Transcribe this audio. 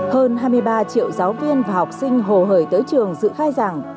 hơn hai mươi ba triệu giáo viên và học sinh hồ hời tới trường dự khai giảng